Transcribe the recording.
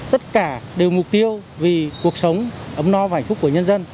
tất cả đều mục tiêu vì cuộc sống ấm no và hạnh phúc của nhân dân